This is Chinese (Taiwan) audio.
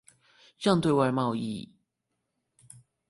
讓對外貿易